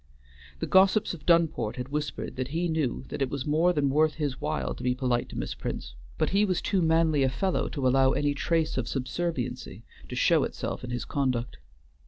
The gossips of Dunport had whispered that he knew that it was more than worth his while to be polite to Miss Prince; but he was too manly a fellow to allow any trace of subserviency to show itself in his conduct.